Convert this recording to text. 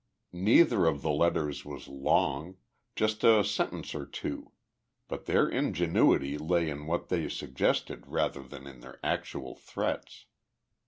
Neither of the letters was long. Just a sentence or two. But their ingenuity lay in what they suggested rather than in their actual threats.